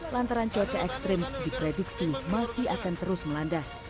lantaran cuaca ekstrim diprediksi masih akan terus melanda